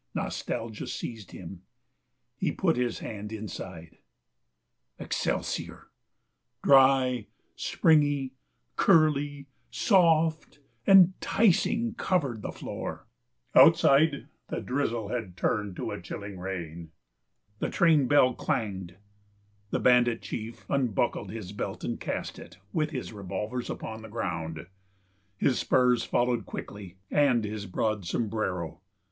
Nostalgia seized him. He put his hand inside. Excelsior dry, springy, curly, soft, enticing, covered the floor. Outside the drizzle had turned to a chilling rain. The train bell clanged. The bandit chief unbuckled his belt and cast it, with its revolvers, upon the ground. His spurs followed quickly, and his broad sombrero.